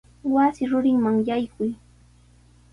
Wasi rurinman yaykuy.